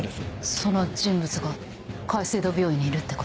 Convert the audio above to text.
その人物が界星堂病院にいるってこと？